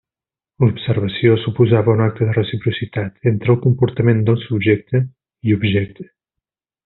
L'observació suposa un acte de reciprocitat entre el comportament del subjecte i objecte.